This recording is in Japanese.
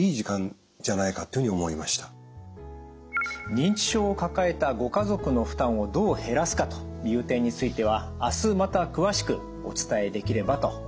認知症を抱えたご家族の負担をどう減らすかという点については明日また詳しくお伝えできればと思います。